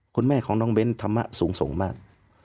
คุณแม่ของน้องเบ้นธรรมะสูงส่งมาก